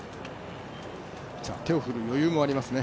手を振る余裕もありますね。